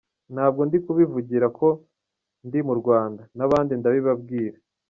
Ntabwo ndi kubivugira ko ndi mu Rwanda, n’ahandi ndabibabwira.